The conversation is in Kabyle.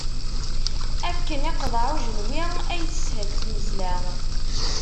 Akken iqḍeɛ ujenwi, ay teshel tmezla.